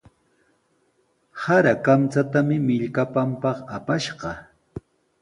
Sara kamchatami millkapanpaq apashqa.